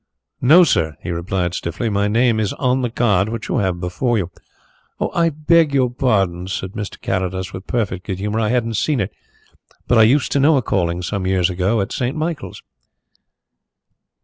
"No sir," he replied stiffly. "My name is on the card which you have before you." "I beg your pardon," said Mr. Carrados, with perfect good humour. "I hadn't seen it. But I used to know a Calling some years ago at St. Michael's."